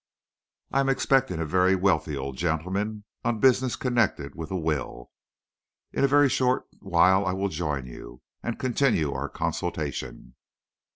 I am expecting a very wealthy old gentleman on business connected with a will. In a very short while I will join you, and continue our consultation."